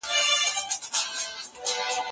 که خندل دي نو به ګورې